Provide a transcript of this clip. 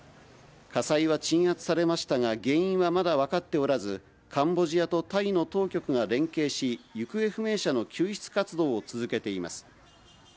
火災は鎮圧されましたが、原因はまだ分かっておらず、カンボジアとタイの当局が連携し、行方不明者の救出活動を続けています。